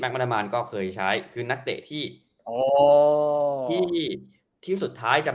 มาดามานก็เคยใช้คือนักเตะที่อ๋อที่ที่สุดท้ายจะ